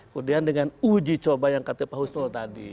kemudian dengan uji coba yang kata pak husnul tadi